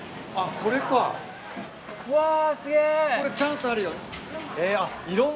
これチャンスあるよ。